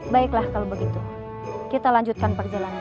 baiklah kalau begitu kita lanjutkan perjalanan